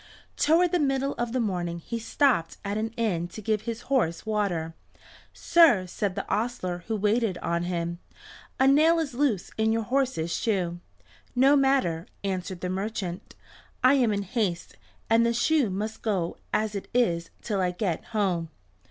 Toward the middle of the morning he stopped at an inn to give his horse water. "Sir," said the ostler who waited on him, "a nail is loose in your horse's shoe." "No matter," answered the merchant. "I am in haste, and the shoe must go as it is till I get home."